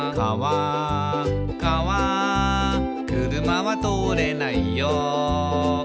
「かわ車は通れないよ」